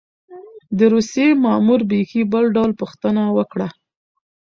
د روسيې مامور بېخي بل ډول پوښتنه وکړه.